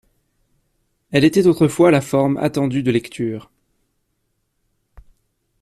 Elle était autrefois la forme attendue de lecture.